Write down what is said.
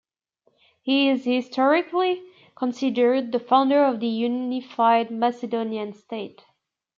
He is historically considered the founder of the unified Macedonian state.